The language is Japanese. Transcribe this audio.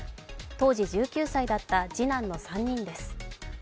当時１９歳だった次男の３人です。